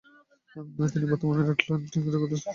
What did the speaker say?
তিনি বর্তমানে Atlantic Records এর সাথে চুক্তিবদ্ধ।